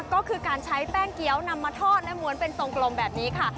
ก็คือการใช้แป้งเกี้ยวนำมาทอดและม้วนเป็นทรงกลมแบบนี้ค่ะ